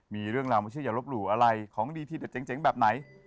มีเรื่องราวไม่ใช่อย่าลบหลู่อะไรของดีทีเด็ดเจ๋งแบบไหน